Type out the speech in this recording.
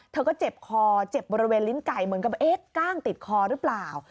เธอก็เจ็บคอเจ็บบริเวณลิ้นไก่เหมือนกับเอ๊ะกล้างติดคอหรือเปล่า